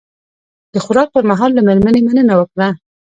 د خوراک پر مهال له میرمنې مننه وکړه.